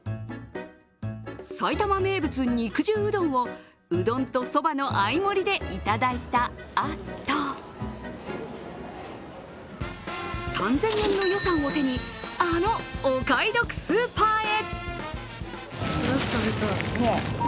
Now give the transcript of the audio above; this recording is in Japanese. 埼玉名物、肉汁うどんをうどんとそばの合い盛りでいただいたあと３０００円の予算を手に、あのお買い得スーパーへ。